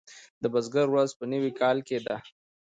د بزګر ورځ په نوي کال کې ده.